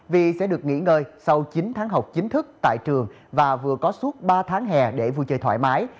vì sẽ được nghỉ ngơi sau chín tháng học chính thức tại trường và vừa có suốt ba tháng hè để vui chơi thoải mái